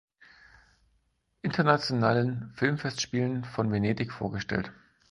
Internationalen Filmfestspielen von Venedig vorgestellt.